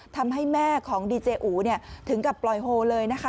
ทำให้แม่ของดีเจอูถึงกับปล่อยโฮเลยนะคะ